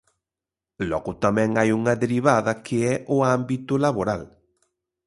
Logo tamén hai unha derivada, que é o ámbito laboral.